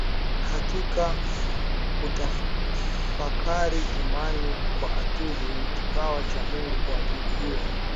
katika kutafakari imani kwani akili ni kipawa cha Mungu Kwa njia hiyo